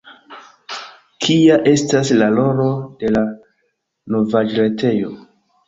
Kia estas la rolo de la novaĵretejo?